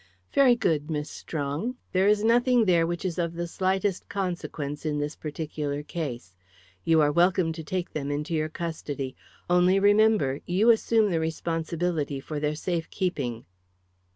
"Very good, Miss Strong. There is nothing there which is of the slightest consequence in this particular case. You are welcome to take them in your custody. Only, remember, you assume the responsibility for their safe keeping."